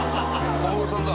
小室さんだ。